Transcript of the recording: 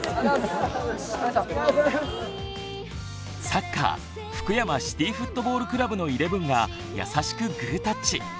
サッカー福山シティフットボールクラブのイレブンが優しくグータッチ。